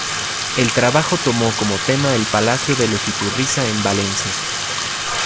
El trabajo tomó como tema el palacio de los Iturriza en Valencia.